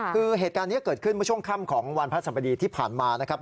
คือเหตุการณ์นี้เกิดขึ้นเมื่อช่วงค่ำของวันพระสบดีที่ผ่านมานะครับ